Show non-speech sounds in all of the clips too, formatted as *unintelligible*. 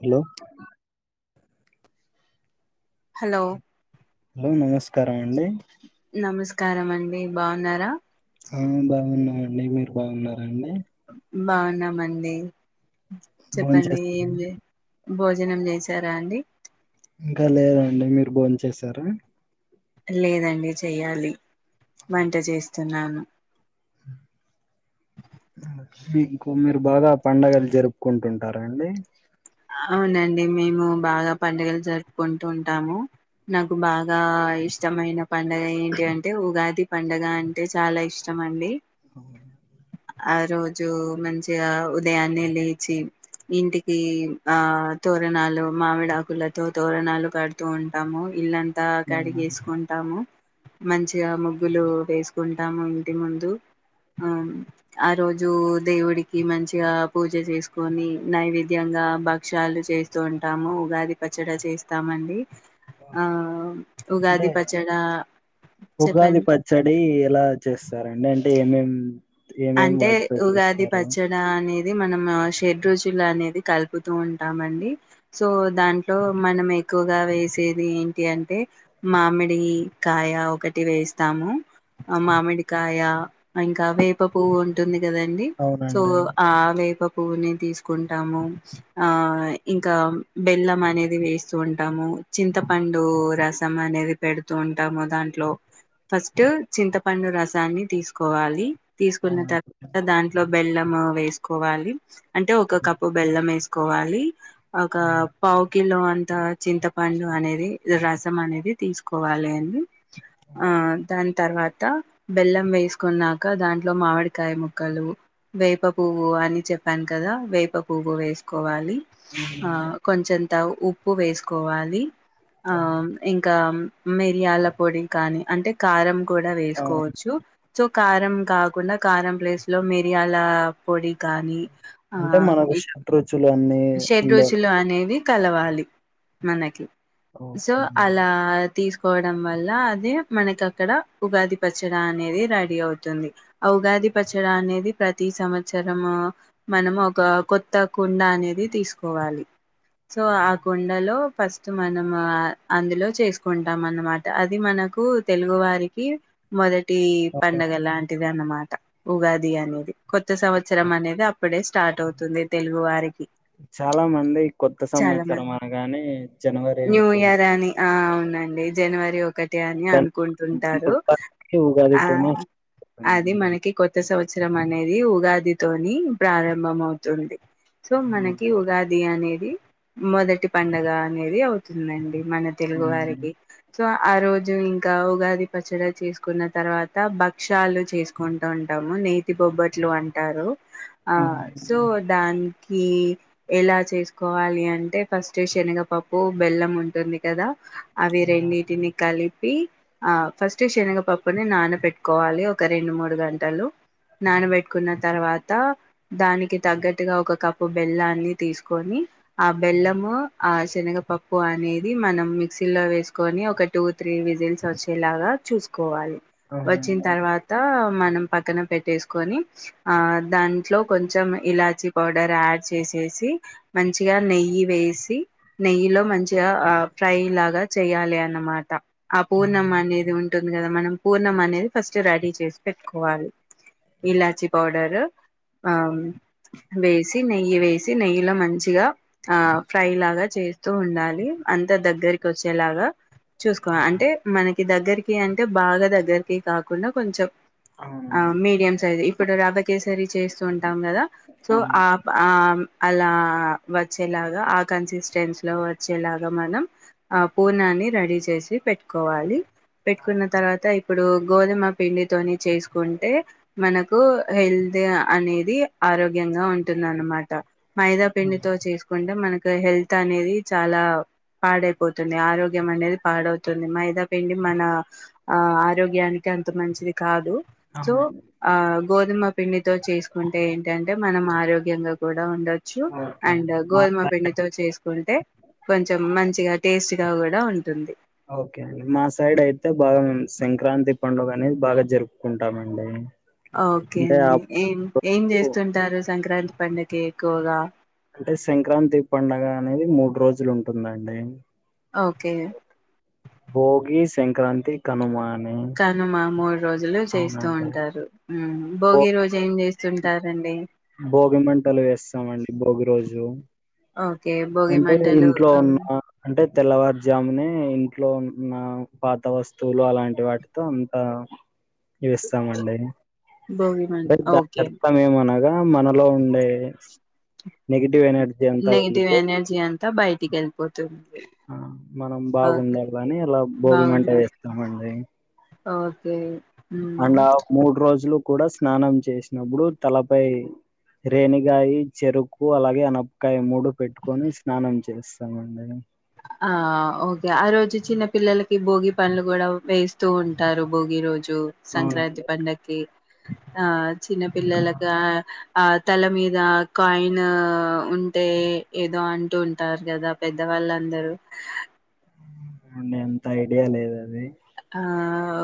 Hello hello hello నమస్కారం అండి నమస్కారం అండి బాగున్నారా ఆ బాగున్నామండి మీరు బాగున్నారా అండి బాగున్నామండి భోం చెప్పండి చేశారా ఏం అండి లే భోజనం చేసారా అండి ఇంకా లేదండి మీరు భోం చేసారా లేదండి చెయ్యాలి వంట చేస్తున్నాను ఉమ్ మీరు బాగా పండగలు జరుపుకుంటుంటారా అండి అవునండి మేము బాగా పండుగలు జరుపుకుంటూ ఉంటాము నాకు బాగా ఇష్టమైన పండుగ ఏంటి అంటే ఉగాది పండగ అంటే చాలా ఇష్టం అండి ఉహూ ఆ రోజు మంచిగా ఉదయాన్నే లేచి ఇంటికి ఆ తోరణాలు మామిడాకులతో తోరణాలు కడుతూ ఉంటాము ఇల్లంతా అంత అవునా? కడిగేసుకుంటాము మంచిగా ముగ్గులు వేసుకుంటాము ఇంటి ముందు ఆ ఆ రోజు దేవుడికి మంచిగా పూజ చేసుకొని నైవేద్యంగా బక్షాలు చేస్తూ ఉంటాము ఉగాది పచ్చడి చేస్తామండి ఆ అంటే ఉగాది పచ్చడ ఉగాది చెప్పండి పచ్చడి ఎలా చేస్తారండి అంటే ఏమేమి ఉ అంటే ఉగాది పచ్చడా అనేది మనం షెడ్ రుచులు అనేది కలుపుతూ ఉంటామండి సో దాంట్లో మనం ఎక్కువగా వేసేది ఏంటి అంటే మామి డి కాయ ఒకటి ఈ వేస్తాము ఆ మామిడికాయ ఇంకా వే ప పువ్వు ఉంటుంది కదండి సో అవునండి ఆ వేప పువ్వుని తీసుకుంటాము ఆ ఇంకా బెల్లం అనేది వేస్తూ ఉంటాము చింతపండు రసం అనేది పెడుతూ ఉంటాము దాంట్లో ఫస్ట్ చింతపండు రసాన్ని తీసుకోవాలి తీసుకున్న అవునండి తర్వాత దాంట్లో బెల్లం వేసుకోవాలి అంటే ఒక కప్పు బెల్లం వేసు కోవాలి ఒక పావు కిలో అంటే చింతపండు అనేది రసం అనేది తీసుకోవాలి అని ఆ దానికి తర్వాత బెల్లం వేసుకున్నాక దాట్ ట్లో మామిడికాయ ముక్కలు వేప పువ్వు అని చెప్పాను కదా వేప పువ్వు వేసుకోవాలి ఆ అవునండి కొంచెంతా ఉ ఉప్పు వేసుకోవాలి ఆ ఇంకా మిరియాల పొడి కానీ అంటే కారం కూడా అవును వేసుకోవచ్చు సో కారం కా కాకుండా కారం ప్లేస్ లో మిరియాల పొడి కానీ ఆ ఇ చులు అన్ని ఉండే కలవాలి మనకి సో ఓకే అండి అలా తీసుకోవడం వల్ల అదే మనకి అక్కడ ఉగాది పచ్చడి అనేది రెడీ అవుతుంది ఆ ఉగాది పచ్చడి అనేది ప్రతి సంవత్సరము మనము ఒక కొత్త కుండ అనే ఇది తీసుకోవాలి సో ఆ కొండలో ఫస్ట్ మనము అందులో చేసుకుంటాం అనమాట అది మనకు తెలుగు వారికి మొద టి అవునా? పండగ లాంటి అనమాట ఉగాది అనేది కొత్త సంవత్సరం అనేది అప్పుడే స్టార్ట్ అవుతుంది తెలుగు వారికి చాలా మంది కొత్త చాలా సంవత్సరం మంది అనగానే జనవరి న్యూ అనుకోం ఇయర్ అని ఆ అవునండి *unintelligible* అని అనుకుంటుంటారు ఉగాది ఆ ఉగాదితోనే అది అవుతుందండి. మనకి కొత్త సంవ సంవత్సరం అనేది ఉగాదితోని ప్రారంభం అవుతుంది సో మన అవునండి అది అనేది మొదటి పండగ అనేది అవుతుంద ండి మన తెలుగు అవునండి వారికి సో ఆ రోజు ఇంకా ఉగాది పచ్చడి చేసుకున్న తర్వాత భక్ష్యాలు చేసుకుంటూ ఉంటాము నేతి బొబ్బట్లు అంటారు ఆ అవునండి సో దాన్ క ఎలా చేసుకోవాలి అంటే ఫస్ట్ శనగపప్పు బెల్లం ఉంటుంది కదా అవి అవునండి రెండిటిని కలిపి ఆ ఫస్ట్ శనగపప్పుని నానబెట్టుకోవాలి ఒక రెండు మూడు గంటలు నాన బెట్టుకున్న తర్వాత దానికి తగ్గట్టుగా ఒక కప్పు బెల్లాన్ని తీసుకొని ఆ బెల్లము ఆ శనగపప్పు అనేది మనం మిక్సీ లో వేసుకొని ఒక టూ త్రీ విజిల్స్ వచ్చేలాగా చూసుకో కోవాలి వచ్చిన అవునండి తర్వాత మనం పక్కన పెట్ వేసుకొని ఆ దాంట్లో కొంచెం ఇలాచి పౌడర్ యాడ్ చేసి చేసి మంచిగా నెయ్యి వేసి నెయ్యిలో మంచిగా ఆ ఫ్రై లాగా చేయాలి అన్నమాట ఆ పూర్ణమ అవునండి అనేది ఉంటుంది కదా మనం పూర్ణం అనేది ఫస్ట్ రెడీ చేసి పెట్టుకోవాలి ఇలాచి పౌడర్ వేసి నెయ్యి వేసి నెయ్యిలో మంచిగా ఆ ఫ్రై లాగా చేస్తూ ఉండాలి అంత దగ్గరకి వచ్చేలాగా చూసుకోవాలి అంటే మనకి దగ్గరికి అంటే బాగా దగ్గరకి కాకుండా కొంచెం ఆ అవునండి మీడియం సైజు ఇప్పుడు రవ్వ కేసరి చేస్తూ ఉంటాం కదా సో ఆ ఆ అలా వచ్చేలాగా ఆ కన్సిస్టెన్సీలో వచ్చేలాగా మనం ఆ పూనాన్ని రెడీ చేసి పెట్టుకోవాలి పెట్టుకున్న తర్వాత ఇప్పుడు గోధుమ పిండితోని చేసుకుంటే మనకు హెల్త్ అనేది ఆరోగ్యంగా ఉంటుందిన్నమాట మైదా పిండితో చేసుకుంటే మన హెల్త్ అనేది చాలా పాడై పోతుంది ఆరోగ్యం అనేది పాడవు ది మైదా పండి మన ఆ ఆరోగ్యానికి అంత మంచిది కాదు సో అవునండి ఆ గోధుమ పిండితో చేసుకుంటే ఏంటంటే మనం ఆరోగ్యంగా కూడా ఉండ ఓకే అ అండి మా గోదుమ పండితో చేసుకుంటే కొంచ మంచిగా టేస్ట్ కూడా ఉంటుంది ఓకే అండి మా సైడ్ అయితే బాగా మేము సంక్రాంతి పండుగ అనేది బాగా జరుపుకుంటామ అండి ఓకే అండి ఏం ఏం చేస్తుంటారు సంక్రాంతి పండకి ఎక్కువగా అంటే సంక్రాంతి పడుగ అనేది మూడు రోజులు ఉంటుందండి ఓకే భోగి సంక్రాంతి కనుమ అని కానుమా *unintelligible* రోజులు చేస్తూ అవునండి. ఉంటారు భోగి రోజు ఏం చేస్తుంటారండి భోగి మంటలు వేస్తామండి భోగి రోజు ఓకే భోగి అంటే మంటలు ఇంట్లో ఉన్న అంటే తెల్లవారుజామునే ఇంట్లో ఉన్న పాత వస్తువులు అలాంటి వాటితో అంత వేస్తామండి భోగి మంట అంటే దాని ఓకే అర్థం ఏమనగా మనలో ఉండే నెగిటివ్ ఎనర్జీ అంత నెగిటివ్ వెళ్ళిపోయి ఎనర్జీ అంతా బయటికి వెళ్ళిపోతుంది ఆ మనం ఓకే బాగుండల్ల అని భోగి మంట బాగున్నారు వేస్తామండి ఓకే అండ్ హ్మ్ ఆ మూడు రోజులు కూడా స్నానం చేసినప్పుడు తలపై రేనికాయ చెరుకు అలాగే అనపకాయ మూడు పెట్టుకొని స్నానం చే చేస్తామండి ఆ ఓకే ఆ రోజు చిన్న పిల్లలకి భోగి పండ్లు కూడా వేస్తూ ఉంటారు భోగి రోజు ు సంక్రాంతి అవునండి పండక్కి ఆ ఇంకా చిన్నపిల్లలకు ఆ తల మీద కాయిన్ ఉంటే ఏదో అంటూ ఉంటారు కదా పెద్దవాళ్ళ అందరు ఉమ్ అంత ఐడియా లేదు అది ఆ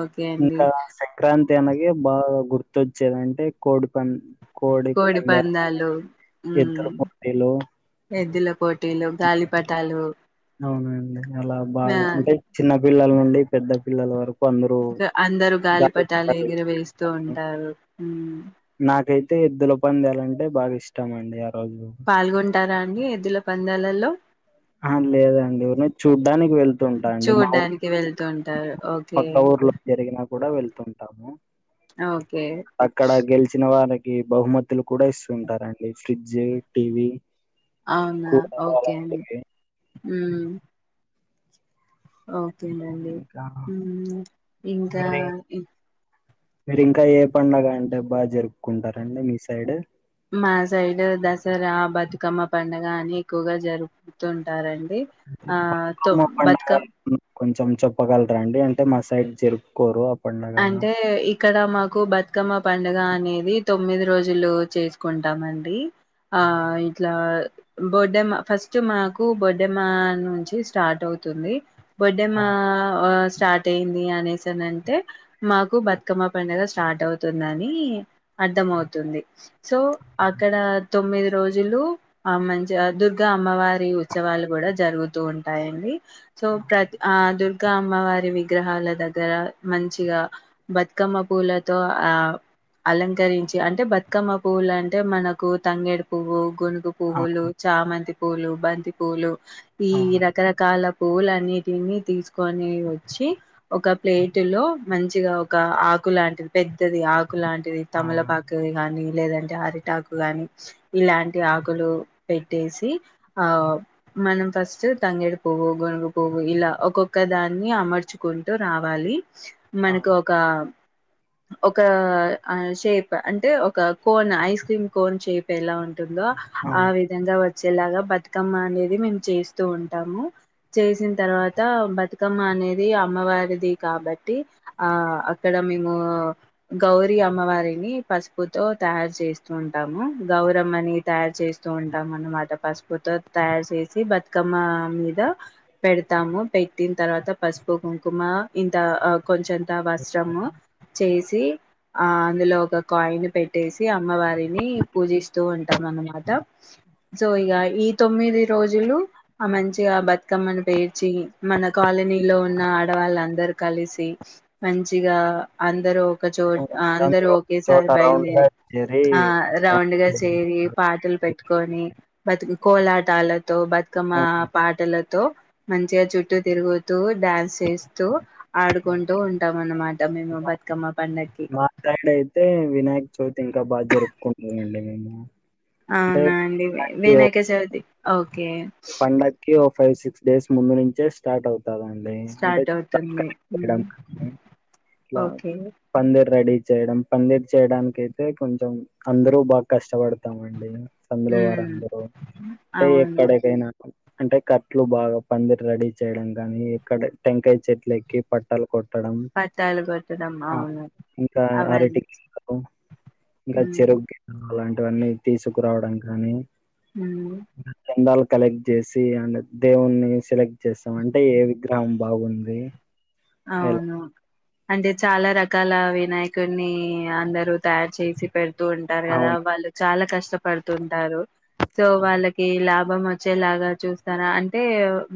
ఓకే అండి తనకి బాగా గుర్తొచ్చేదింటే కోడి పని కోడి పందాలు హ్మ్ ఎద్దుల పోటీలు ఎద్దుల పోటీలు గాలిపటాలు అవునండి అలా ఆ బాగా అంటే చిన్నపిల్లల నుండి పెద్ద పిల్లల వరకు అందరూ అందరూ గాలిపటాలు ఎగర వేస్తూ ఉంటారు అయితే ఎద్దులు పందాలంటే బాగా ఇష్టమండి పాల్గొంటారా అండి ఎద్దుల పందాలల్లో ఆ లేదండి ఊరినే చూడ్డానికి వెళ్తుంటా అండి మా చూడ్డానికి ఊర్లో వెళ్తుంటారు ఓకే పక్క ఊర్లో జరిగిన కూడా వెళ్తుంటాము ఓకే అక్కడ గెలిచిన వారికి బహుమతులు కూడా ఇస్తుంటారండి ఫ్రిడ్జ్ టీవీ అవునా కూలర్ ఓకే అండి అలాంటివి. ఉమ్... ఓకేనండి ఇంకా ఉమ్ ఇంకా మీరు ఇంకా ఏ పండగ అంటే బాగా జరుపుకుంటారండి మీ సైడ్ మా సైడ్ దసరా బతుకమ్మ పండుగ అని ఎక్కువగా జరుపుతుంటారండి అంటే ఆ తో బతుకమ్మ పండగ బతుకమ్ కొంచెం చెప్పగలరా అండి అంటే మా సైడ్ జరుపుకోరు పండగ. అంటే ఇక్కడ మాకు కు బతుకమ్మ పండుగ అనేది తొమ్మిది రోజులు చేసుకుంటామండి ఆ ఇట్లా బొడ్డెమ్మ ఫస్ట్ మాకు బొడ్డెమ్మ నుంచి స్టార్ట్ అవుతుంది బర్డే మా స్టార్ట్ అయ్యింది అనేసానంటే మాకు బతుకమ్మ పండగ స్టార్ట్ అవుతుందని అర్థం అవుతుంది సో అక్కడ తొమ్మిది రోజులు ఆ మంచి దుర్గా అమ్మవారి ఉత్సవాలు కూడా జరుగుతూ ఉంటాయండి, సో ప్రతి ఆ దుర్గా అమ్మవారి విగ్రహాల దగ్గర మంచిగా, బతుకమ్మ పుూవ్వులతో ఆ అలంకరించి అంటే బతుకమ్మ పువ్వులు అంటే మనకు తంగేడి పువ్వు కొనుకు ఆ! పువ్వులు చామంతి పూలు బంతి పూలు ఈ అవును. రకరకాల పూలు అన్నిటిని తీసుకొని వచ్చి ఒక ప్లేట్ మంచిగా ఒక ఆకు లాంటిది పెద్దది ఆకు అకు లాంటిది అవును. తముళపాకు కానీ లేదండి అరిటాకు గాని ఇలాంటి ఆకులు పెట్టేసి ఆ మన ఫస్ట్ తంగేడి పువ్వు గునుగు పువ్వు ఇలా ఒక్కొక్క దాన్ని అమర్చుకుంటూ రావాలి మనకు అవును. ఒక ఒక అ షేప్ అంటే ఒక cone ice cream cone shape ఎలా ఉం ఉంటుందో ఆ అవును. విధంగా వచ్చేలాగా బతుకమ్మ అనేది మేము చేస్తూ ఉంటాము, చేసిన తర్వాత బతుకమ్మ అనేది అమ్మవారిది కా ట్టి ఆ అక్కడ మేము గౌరి అమ్మవారిని పసుపుతో తయారు చేస్తూ ఉంటాము, గౌరమ్మని తయారు చేస్తూ ఉంటాము అనమాట, పసుపుతో తయారు చేసి బతుకమ్మ మీద పెడతాము పెట్టిన తర్వాత పసుపు కుంకుమ ఇంత. కొంచెం ఓకే. వస్త్రము చేసి ఆ అందులో ఒక కాయిన్ పెట్టేసి అమ్మవారిని పూజిస్తూ ఉంటాం అనమాట, సో ఇక ఈ తొమ్మిది రోజులు మంచిగా బతుకమ్మను పేర్చి మన కాలనీలో ఉన్న ఆడవాళ్ళందరు కలిసి మంచిగా అందరు ఒక చోటు అవునండి. అందరు అందరూ ఒక ఒకేసారి చోట రౌండ్‌గా బయలుదేరి చేరి ఆ రౌండ్గా డాన్స్ చేయడం. చేరి పాటలు పెట్టుకొని బతుకు కోలాటలు తో బధకమా అవును. పాటల తో మంచిగా చుట్టూ తిరుగు డాన్స్ చేస్తూ ఆడు ఒంట ఓకే. వొండమన్నమాట మేము ఇంకా బతుకమ్మ పండగకి. మా సైడ్ అయితే వినాయక్ చవితి అయి. ఇంకా బా జరుపుకుంటామండి మేము. అంటే అవునా అండి వి వినాయక చవితి ఓ. కే. పండకి ఓ ఫైయి సిక్స్ డేస్ ముందు నుంచే స్టార్ట్ అవు. స్టార్ట్ అవుతుంది ఊమ్ చేయడం కానీ, ఇట్లా ఓకే. పందిరి రెడీ చేయడం పందిరి చేయడానికైతే కొంచెం అందరూ బాగా కష్టపడుారు. వేల్తమండి సందిలో ఉమ్ వారందరు అంటే అవును ఎక్కడ ఎక్క. అంటే కట్లు బాగా పందిరి రెడీ చేయడం గనీ ఇక్కడ టెంకాయ చెట్లు ఎక్కి పట్టాలు కొ. *inaudible* పట్టాలు కొట్టడం అవును అవన్నీ ఉమ్ ఇవన్నీ తీసుకురావడం కానీ. ఊమ్. చందాలు కలెక్ట్ చేసి అండ్ దేవున్నీ సెలెక్ట్ చేస్తాం అంటే ఏ విగ్రహం బాగుంది. ఎలా అవును. అంటే చాలా రకాల వినాయకున్నీ అందరూ తయారు చేసి పెడు. దున్నటారు కదా అవును వాళ్ళు చాలా కష్టపడుతుంటారు సో వాళ్ళకి ఇలా. భం వచ్చేలాగా చూస్తారా అంటే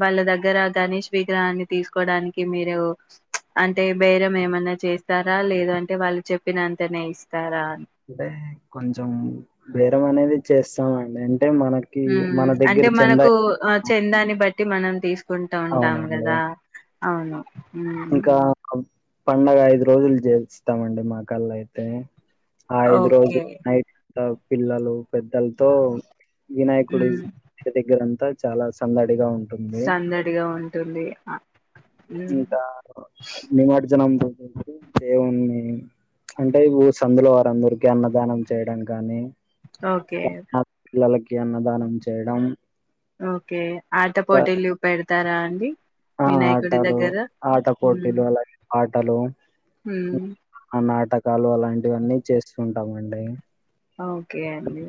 వాళ్ళ దగ్గర గణేష్ విగ్రహాన్ని తీసుకోడానికి మీరూ. అంటే బేరం ఏమన్నా చేస్తారా లేదంటే వాళ్ళు చెప్పినంతనే ఇస్తారా. అంటే కొంచెం బేరం అనేది చేస్తామ అండి. ఉ అంటే మనకు ఆ ఎక్కువ చందాని బట్టి మనం తీసుకుంటా ఉంటాం అవునండి కదా. అవును. మ్మ్ ఇంకా కం. పడుగ ఐదు రోజులు జెపిస్తామండి మా కల్లా అయితే. అ ఐదు రోజు ఓకే నైట్. డాగ్ పిల్లలు. పెద్దలతో వినాయకుడి మ్మ్ ఇంటి దగ్గరంతా. చాలా సందడ. సందడిగా ఉంటుంది ఉ. నిమర్జనం తో. దేవుణ్ణి అంటే ఈగొ సందులో వారందరికీ అన్నదానం చేయడం కానీ. ఓకే. ఆ పిల్లలకి అన్నదానం చేయడం. ఓకే. ఆటపోటీలు పెడతారా అన్. ఆ ఆటలు ఆట పోటీలు అలాగే ఆ టలు హ్మ్ కాలు అలాంటివన్నీ చేస్తుంటామండి. ఓకే అండి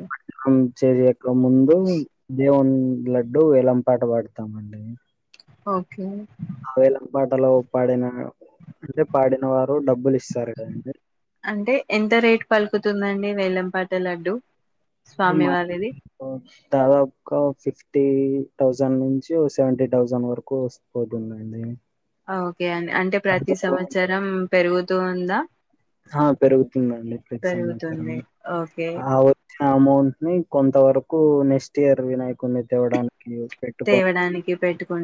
హ్మ్ *unintelligible* ఇకముందు దేవున్ లడ్డు వేలం పాట పాడతామండి. ఓకే ఆ వేలం పాటలో పాడిన అంటే పాడిన వారు డబ్బులు ఇస్తారు కదండి అంటే ఎంత రేట్ పలుకుతుందం ఈ వేలంపాట లడ్డూ అంటే మా దాదాపుగా ఒక ఫిఫ్టీ థౌజండ్ నుంచి ఓ సెవెంటీ థౌజండ్ వరకు వస్తుపోతుందండి. ఆ ఓకే అండి అంటే ప్రతి అందులో సంవత్సరం పెరుగు తోందా ఆ పెరుగుతుందండి ప్రతి సంవత్సరం పెరుగుతుంది ఓకే ఆ వచ్చిన అమౌం హ్మ్ కొంత వరకు నెక్స్ట్ ఇయర్ వినాయకుడిని తేవడానికి పెట్టుకొని తేవడానికి పెట్టు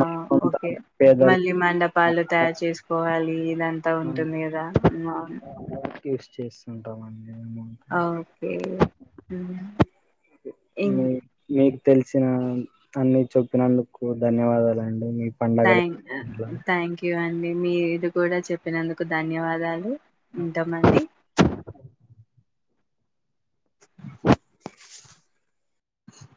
మరి కొంత పేదలు మళ్ళీ మండపాలు తయారు చేసుకు కోవాలి ఇదంతా ఉంటుంది కదా యూజ్ చేస్తుంటాము ఓకే మ్మ్ ఇం మీ మీ తెలిసిన అన్ని చెప్పినందుకు ధన్యవాదాలండి మీకు. థేంక్ థ్యాంక్ యూ అం మీ మీది కూడా చెప్పినందుకు ధన్యవాదాలు. ఉంటామండి.